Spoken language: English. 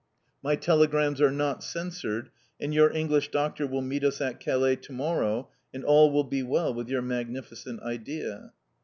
My telegrams are not censored, and your English Doctor will meet us at Calais to morrow, and all will be well with your magnificent idea!"